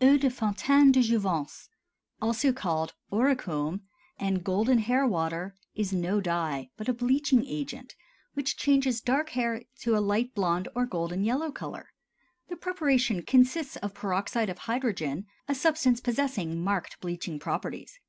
EAU DE FONTAINE DE JOUVENCE, also called Auricome and Golden Hair Water, is no dye, but a bleaching agent which changes dark hair to a light blond or golden yellow color. The preparation consists of peroxide of hydrogen, a substance possessing marked bleaching properties.